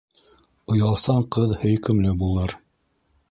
Оялсан ҡыҙ һөйкөмлө булыр.